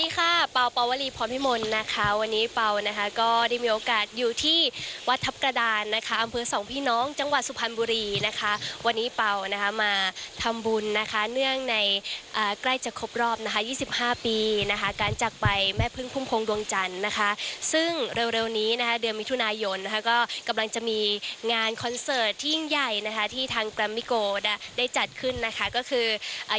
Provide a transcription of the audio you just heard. คอนเสิร์ทที่ยิ่งใหญ่ที่ทางแกรมมิโกได้จัดขึ้นก็คือ